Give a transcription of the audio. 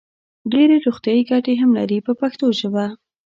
ډېرې روغتیايي ګټې هم لري په پښتو ژبه.